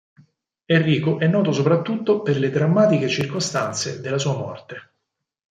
Enrico è noto soprattutto per le drammatiche circostanze della sua morte.